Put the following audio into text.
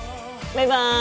バイバイ。